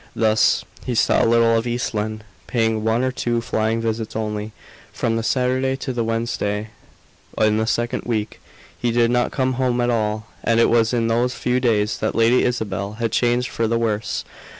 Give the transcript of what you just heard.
Thus he saw little of East Lynne, paying one or two flying visits only. From the Saturday to the Wednesday in the second week, he did not come home at all, and it was in those few days that Lady Isabel had changed for the worse.